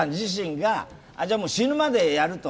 じゃあもう、死ぬまでやると？